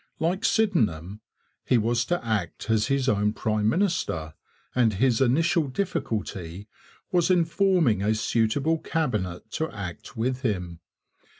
Like Sydenham, he was to act as his own prime minister, and his initial difficulty was in forming a suitable Cabinet to act with him.